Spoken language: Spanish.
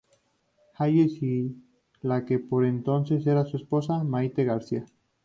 Hayes y la que por entonces era su esposa, Mayte García.